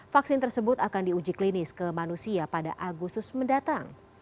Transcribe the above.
vaksin tersebut akan diuji klinis ke manusia pada agustus mendatang